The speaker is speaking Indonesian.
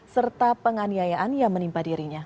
serta penganiayaan yang menimpa dirinya